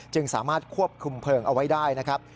สามารถควบคุมเพลิงเอาไว้ได้นะครับ